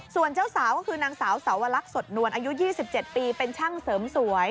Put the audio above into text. ส่วนเจ้าสาวก็คือนางสาวสาวลักษณ์สดนวลอายุ๒๗ปีเป็นช่างเสริมสวย